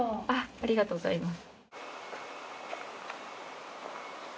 ありがとうございます。